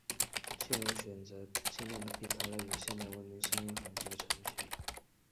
路线选择尽量的避开了有现代文明商业痕迹的区域。